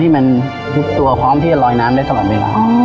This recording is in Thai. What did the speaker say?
มันทุกตัวพร้อมที่จะลอยน้ำได้ตลอดเวลา